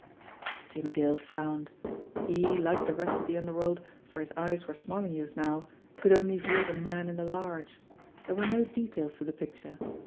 Jimmie Dale frowned. He, like the rest of the underworld, for his eyes were Smarlinghue's now, could only view the man in the large ; there were no details to the picture.